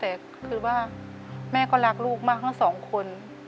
แม่ก็รู้นะแต่คือว่าแม่ก็รักลูกมากทั้งสองคน